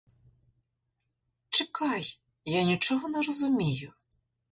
Чекай, я нічого не розумію.